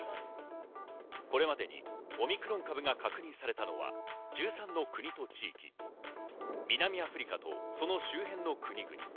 これまでにオミクロン株が確認されたのは、１３の国と地域、南アフリカとその周辺の国々。